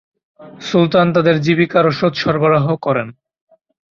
সুলতান তাদের জীবিকা রসদ সরবরাহ করেন।